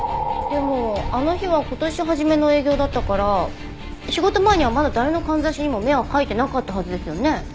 でもあの日は今年初めの営業だったから仕事前にはまだ誰のかんざしにも目は描いてなかったはずですよね。